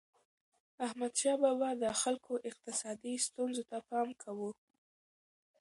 احمدشاه بابا به د خلکو اقتصادي ستونزو ته پام کاوه.